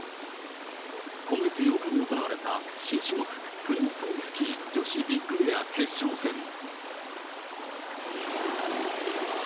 今月８日に行われた新種目、フリースタイルスキー女子ビッグエア決勝戦。